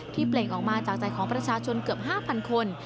เปล่งออกมาจากใจของประชาชนเกือบ๕๐๐คน